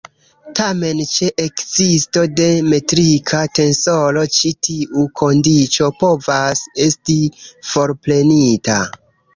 Tamen ĉe ekzisto de metrika tensoro ĉi tiu kondiĉo povas esti forprenita.